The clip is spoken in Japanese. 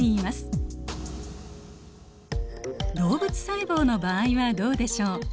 動物細胞の場合はどうでしょう？